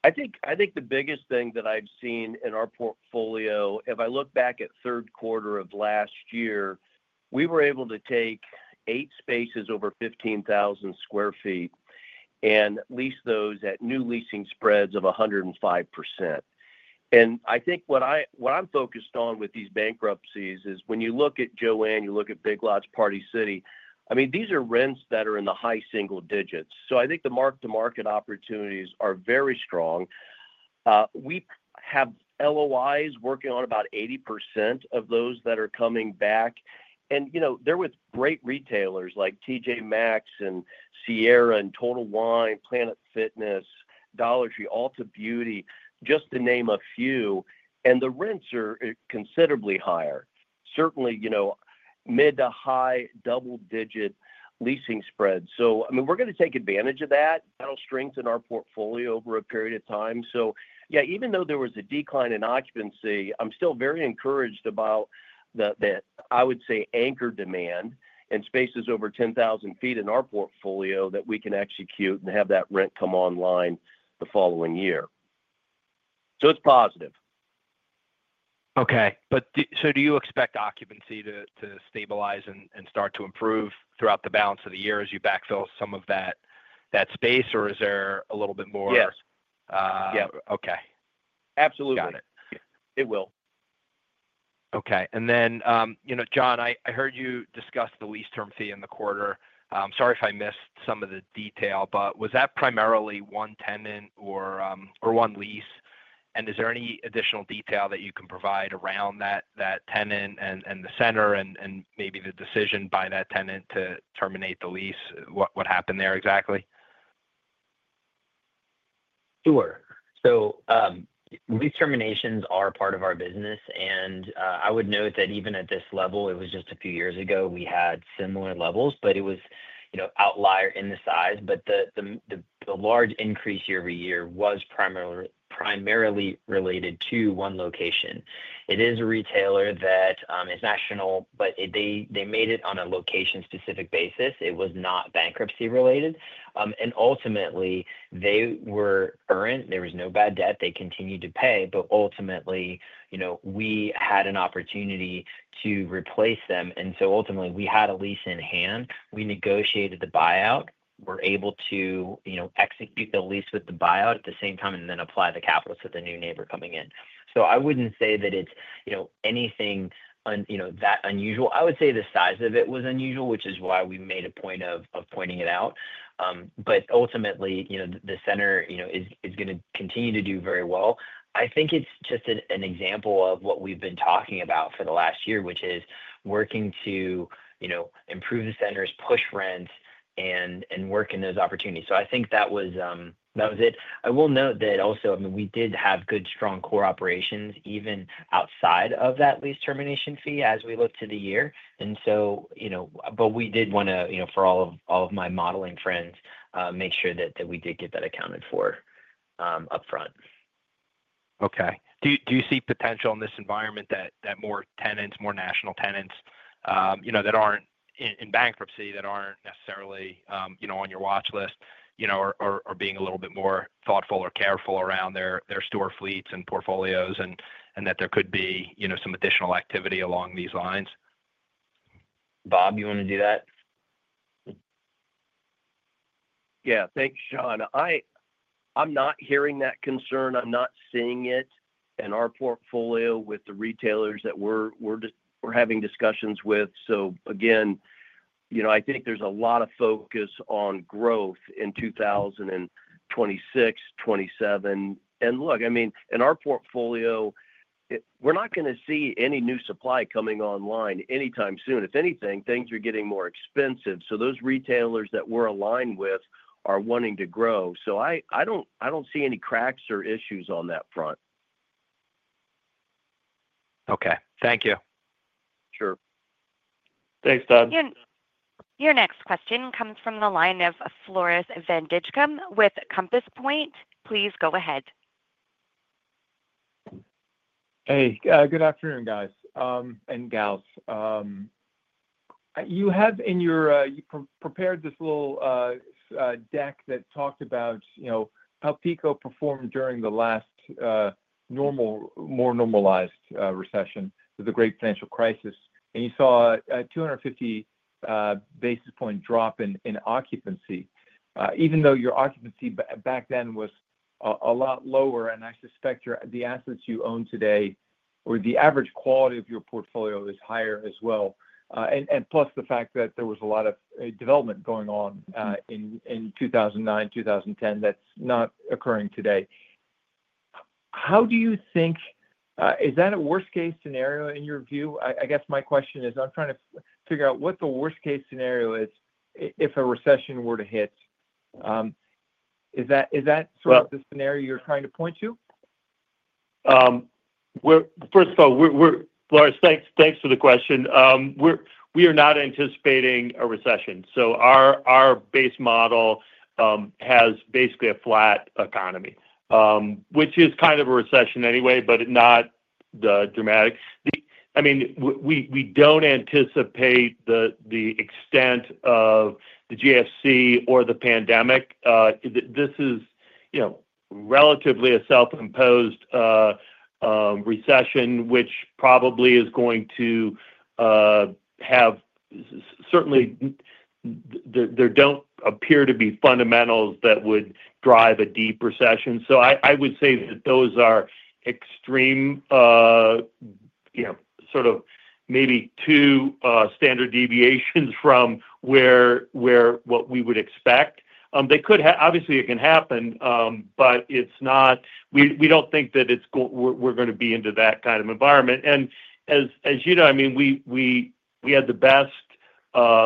Speaker 4: I think the biggest thing that I've seen in our portfolio, if I look back at third quarter of last year, we were able to take eight spaces over 15,000 sq ft and lease those at new leasing spreads of 105%. I think what I'm focused on with these bankruptcies is when you look at Joann, you look at Big Lots, Party City. I mean, these are rents that are in the high single digits. I think the mark-to-market opportunities are very strong. We have LOIs working on about 80% of those that are coming back. They are with great retailers like TJ Maxx and Sierra and Total Wine, Planet Fitness, Dollar Tree, Ulta Beauty, just to name a few. The rents are considerably higher. Certainly, mid to high double-digit leasing spreads. I mean, we're going to take advantage of that. That'll strengthen our portfolio over a period of time. Yeah, even though there was a decline in occupancy, I'm still very encouraged about the, I would say, anchor demand and spaces over 10,000 sq ft in our portfolio that we can execute and have that rent come online the following year. It's positive.
Speaker 11: Okay. Do you expect occupancy to stabilize and start to improve throughout the balance of the year as you backfill some of that space, or is there a little bit more?
Speaker 4: Yes.
Speaker 11: Okay.
Speaker 4: Absolutely. It will.
Speaker 11: Okay. John, I heard you discuss the lease term fee in the quarter. Sorry if I missed some of the detail, but was that primarily one tenant or one lease? Is there any additional detail that you can provide around that tenant and the center and maybe the decision by that tenant to terminate the lease? What happened there exactly?
Speaker 5: Sure. Lease terminations are part of our business. I would note that even at this level, it was just a few years ago, we had similar levels, but it was an outlier in the size. The large increase year over year was primarily related to one location. It is a retailer that is national, but they made it on a location-specific basis. It was not bankruptcy-related. Ultimately, they were current. There was no bad debt. They continued to pay. Ultimately, we had an opportunity to replace them. We had a lease in hand. We negotiated the buyout. We were able to execute the lease with the buyout at the same time and then apply the capital to the new neighbor coming in. I would not say that it is anything that unusual. I would say the size of it was unusual, which is why we made a point of pointing it out. Ultimately, the center is going to continue to do very well. I think it's just an example of what we've been talking about for the last year, which is working to improve the centers, push rents, and work in those opportunities. I think that was it. I will note that also, I mean, we did have good, strong core operations even outside of that lease termination fee as we looked to the year. We did want to, for all of my modeling friends, make sure that we did get that accounted for upfront.
Speaker 11: Okay. Do you see potential in this environment that more tenants, more national tenants that aren't in bankruptcy, that aren't necessarily on your watch list, are being a little bit more thoughtful or careful around their store fleets and portfolios and that there could be some additional activity along these lines?
Speaker 5: Bob, you want to do that?
Speaker 4: Yeah. Thanks, John. I'm not hearing that concern. I'm not seeing it in our portfolio with the retailers that we're having discussions with. I think there's a lot of focus on growth in 2026, 2027. Look, I mean, in our portfolio, we're not going to see any new supply coming online anytime soon. If anything, things are getting more expensive. Those retailers that we're aligned with are wanting to grow. I don't see any cracks or issues on that front.
Speaker 11: Okay. Thank you.
Speaker 4: Sure.
Speaker 3: Thanks, Todd.
Speaker 1: Your next question comes from the line of Floris van Dijkum with Compass Point. Please go ahead.
Speaker 12: Hey. Good afternoon, guys and gals. You have in your prepared this little deck that talked about how PECO performed during the last more normalized recession with the great financial crisis. And you saw a 250 basis point drop in occupancy, even though your occupancy back then was a lot lower. I suspect the assets you own today or the average quality of your portfolio is higher as well. Plus the fact that there was a lot of development going on in 2009, 2010 that's not occurring today. How do you think is that a worst-case scenario in your view? I guess my question is I'm trying to figure out what the worst-case scenario is if a recession were to hit. Is that sort of the scenario you're trying to point to?
Speaker 3: First of all, Floris, thanks for the question. We are not anticipating a recession. Our base model has basically a flat economy, which is kind of a recession anyway, but not dramatic. I mean, we do not anticipate the extent of the GFC or the pandemic. This is relatively a self-imposed recession, which probably is going to have—certainly there do not appear to be fundamentals that would drive a deep recession. I would say that those are extreme, sort of maybe two standard deviations from what we would expect. Obviously, it can happen, but we do not think that we are going to be into that kind of environment. As you know, I mean, we had the best,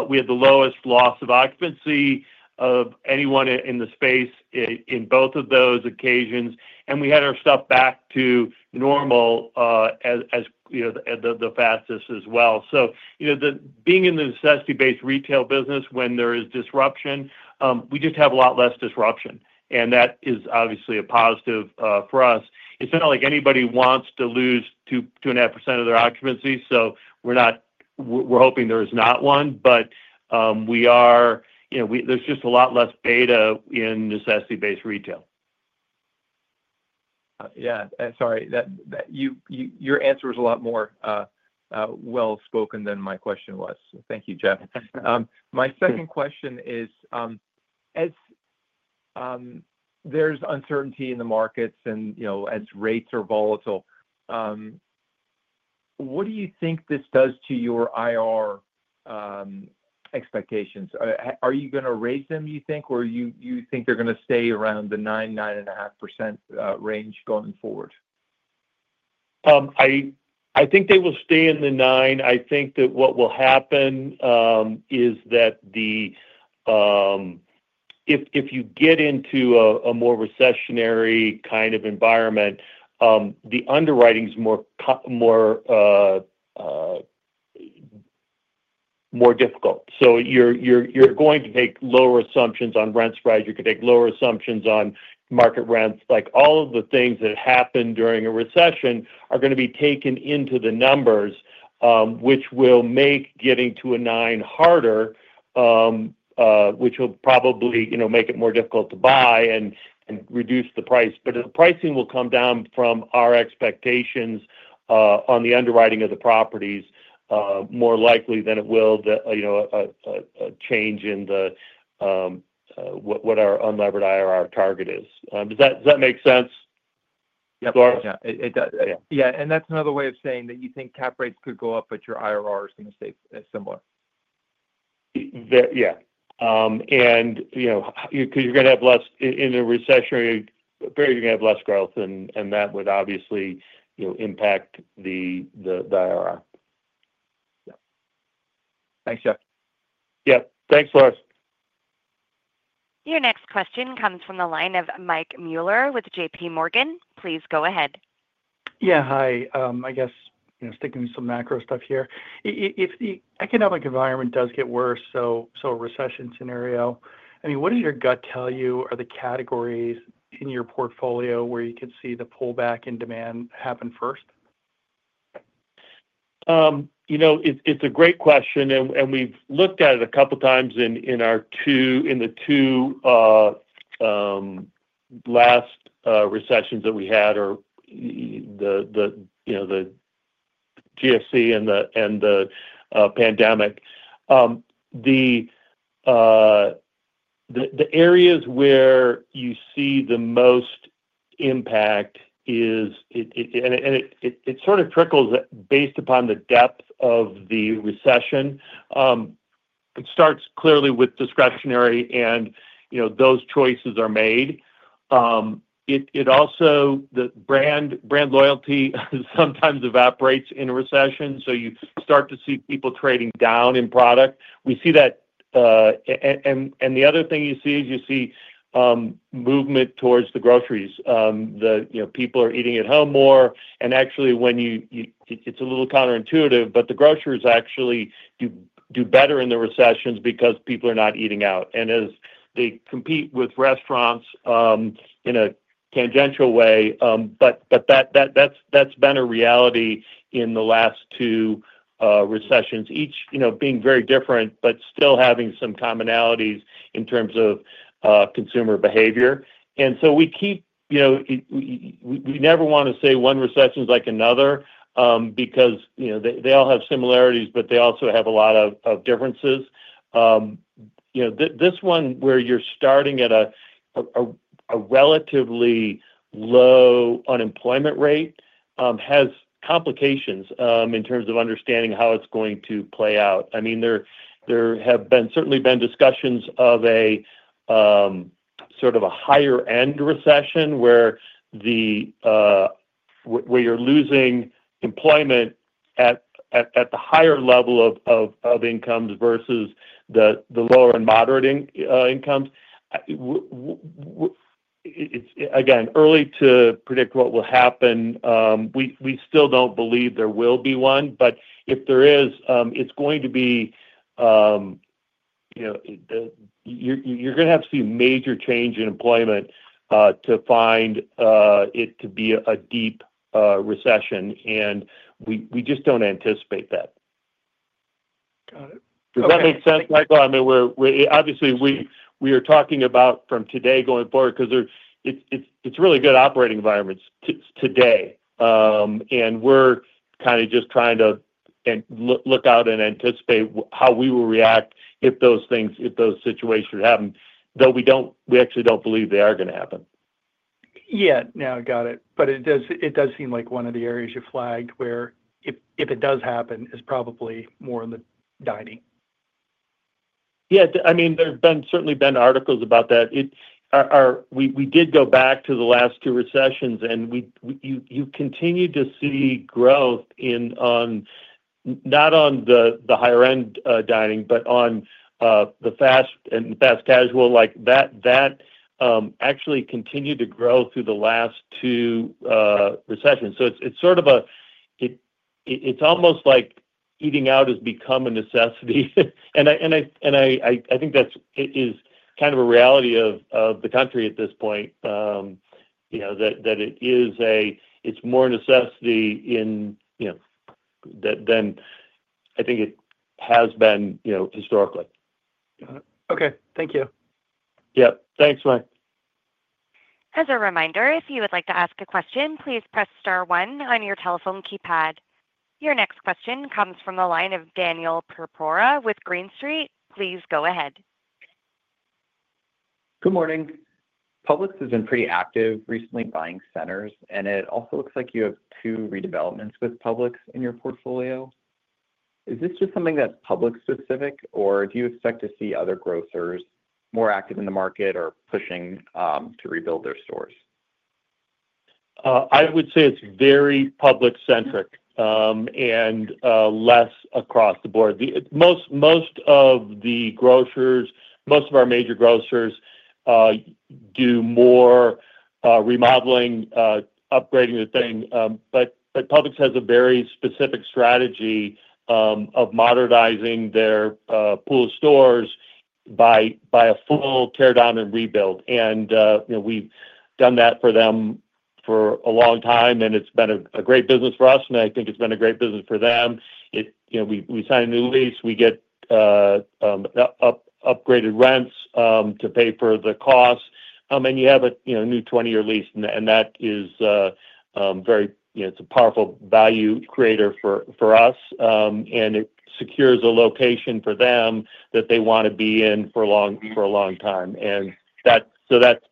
Speaker 3: we had the lowest loss of occupancy of anyone in the space in both of those occasions. We had our stuff back to normal as the fastest as well. Being in the necessity-based retail business, when there is disruption, we just have a lot less disruption. That is obviously a positive for us. It is not like anybody wants to lose 2.5% of their occupancy. We are hoping there is not one. There is just a lot less beta in necessity-based retail.
Speaker 12: Yeah. Sorry. Your answer was a lot more well-spoken than my question was. Thank you, Jeff. My second question is, as there is uncertainty in the markets and as rates are volatile, what do you think this does to your IR expectations? Are you going to raise them, you think, or do you think they are going to stay around the 9-9.5% range going forward?
Speaker 3: I think they will stay in the nine. I think that what will happen is that if you get into a more recessionary kind of environment, the underwriting is more difficult. You are going to make lower assumptions on rent spreads. You could make lower assumptions on market rents. All of the things that happened during a recession are going to be taken into the numbers, which will make getting to a 9 harder, which will probably make it more difficult to buy and reduce the price. The pricing will come down from our expectations on the underwriting of the properties more likely than it will a change in what our unlevered IRR target is. Does that make sense, Floris?
Speaker 12: Yeah. It does. Yeah. That is another way of saying that you think cap rates could go up, but your IRR is going to stay similar.
Speaker 3: Yeah. Because you're going to have less in a recession, you're going to have less growth, and that would obviously impact the IRR.
Speaker 12: Thanks, Jeff.
Speaker 3: Yeah. Thanks, Floris.
Speaker 1: Your next question comes from the line of Mike Mueller with JPMorgan. Please go ahead.
Speaker 13: Yeah. Hi. I guess sticking with some macro stuff here. If the economic environment does get worse, so a recession scenario, I mean, what does your gut tell you are the categories in your portfolio where you could see the pullback in demand happen first?
Speaker 3: It's a great question. We have looked at it a couple of times in the two last recessions that we had, the GFC and the pandemic. The areas where you see the most impact, it sort of trickles based upon the depth of the recession. It starts clearly with discretionary, and those choices are made. Also, the brand loyalty sometimes evaporates in a recession. You start to see people trading down in product. We see that. The other thing you see is movement towards the groceries. People are eating at home more. Actually, it's a little counterintuitive, but the grocers actually do better in recessions because people are not eating out. As they compete with restaurants in a tangential way. That's been a reality in the last two recessions, each being very different, but still having some commonalities in terms of consumer behavior. We never want to say one recession is like another because they all have similarities, but they also have a lot of differences. This one, where you're starting at a relatively low unemployment rate, has complications in terms of understanding how it's going to play out. I mean, there have certainly been discussions of a sort of a higher-end recession where you're losing employment at the higher level of incomes versus the lower and moderate incomes. Again, early to predict what will happen. We still don't believe there will be one. If there is, it's going to be—you are going to have to see major change in employment to find it to be a deep recession. We just don't anticipate that.
Speaker 13: Got it. Okay.
Speaker 3: Does that make sense, Michael? I mean, obviously, we are talking about from today going forward because it's really good operating environments today. We are kind of just trying to look out and anticipate how we will react if those situations happen, though we actually do not believe they are going to happen.
Speaker 13: Yeah. No, I got it. It does seem like one of the areas you flagged where if it does happen, it's probably more in the dining.
Speaker 3: Yeah. I mean, there have certainly been articles about that. We did go back to the last two recessions, and you continue to see growth not on the higher-end dining, but on the fast and fast casual. That actually continued to grow through the last two recessions. It is sort of a—it is almost like eating out has become a necessity. I think that is kind of a reality of the country at this point, that it is a—it is more a necessity than I think it has been historically.
Speaker 13: Okay. Thank you.
Speaker 3: Yeah. Thanks, Mike.
Speaker 1: As a reminder, if you would like to ask a question, please press star one on your telephone keypad. Your next question comes from the line of Daniel Purpura with Green Street. Please go ahead.
Speaker 14: Good morning. Publix has been pretty active recently buying centers. And it also looks like you have two redevelopments with Publix in your portfolio. Is this just something that's Publix-specific, or do you expect to see other grocers more active in the market or pushing to rebuild their stores?
Speaker 3: I would say it's very Publix-centric and less across the board. Most of the grocers, most of our major grocers, do more remodeling, upgrading the thing. Publix has a very specific strategy of modernizing their pool of stores by a full teardown and rebuild. We have done that for them for a long time, and it's been a great business for us. I think it's been a great business for them. We sign a new lease. We get upgraded rents to pay for the cost. You have a new 20-year lease, and that is very, it's a powerful value creator for us. It secures a location for them that they want to be in for a long time. That has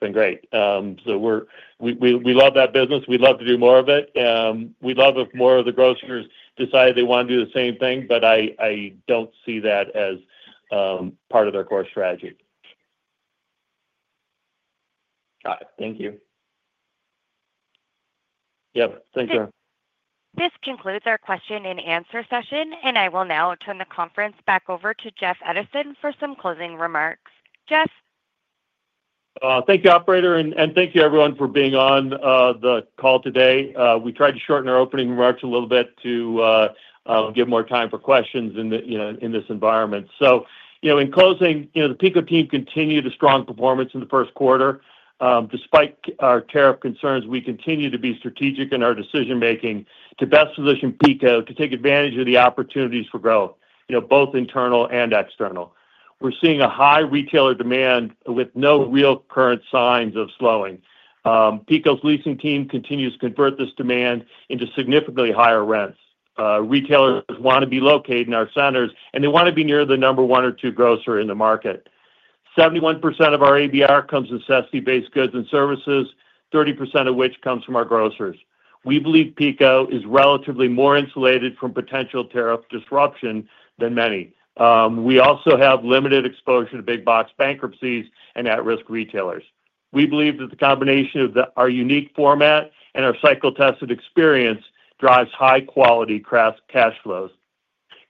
Speaker 3: been great. We love that business. We'd love to do more of it. We'd love if more of the grocers decided they wanted to do the same thing, but I don't see that as part of their core strategy.
Speaker 14: Got it. Thank you.
Speaker 3: Yeah. Thank you.
Speaker 1: This concludes our question-and-answer session, and I will now turn the conference back over to Jeff Edison for some closing remarks. Jeff?
Speaker 3: Thank you, operator. Thank you, everyone, for being on the call today. We tried to shorten our opening remarks a little bit to give more time for questions in this environment. In closing, the PECO team continued a strong performance in the first quarter. Despite our tariff concerns, we continue to be strategic in our decision-making to best position PECO to take advantage of the opportunities for growth, both internal and external. We are seeing a high retailer demand with no real current signs of slowing. PECO leasing team continues to convert this demand into significantly higher rents. Retailers want to be located in our centers, and they want to be near the number one or two grocer in the market. 71% of our ABR comes from necessity-based goods and services, 30% of which comes from our grocers. We believe PECO is relatively more insulated from potential tariff disruption than many. We also have limited exposure to big-box bankruptcies and at-risk retailers. We believe that the combination of our unique format and our cycle-tested experience drives high-quality cash flows.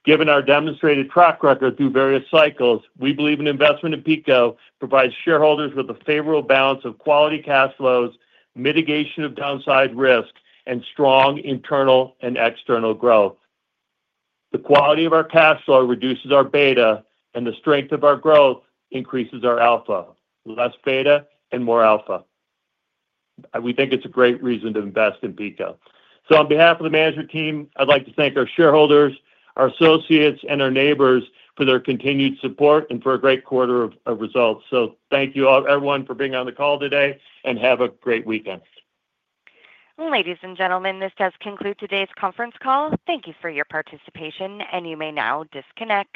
Speaker 3: Given our demonstrated track record through various cycles, we believe an investment in PECO provides shareholders with a favorable balance of quality cash flows, mitigation of downside risk, and strong internal and external growth. The quality of our cash flow reduces our beta, and the strength of our growth increases our alpha. Less beta and more alpha. We think it's a great reason to invest in PECO. On behalf of the management team, I'd like to thank our shareholders, our associates, and our neighbors for their continued support and for a great quarter of results. Thank you, everyone, for being on the call today, and have a great weekend.
Speaker 1: Ladies and gentlemen, this does conclude today's conference call. Thank you for your participation, and you may now disconnect.